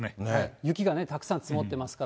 雪がたくさん積もってますから。